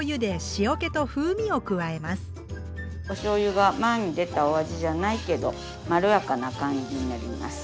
おしょうゆが前に出たお味じゃないけどまろやかな感じになります。